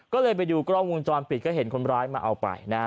ก็เลยไปดูกล้องวงจรปิดก็เห็นคนร้ายมาเอาไปนะฮะ